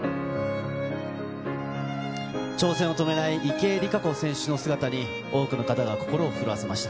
挑戦を止めない池江璃花子選手の姿に、多くの方が心を震わせました。